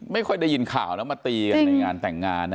ไม่ค่อยได้ยินข่าวแล้วมาตีกันในงานแต่งงานนะ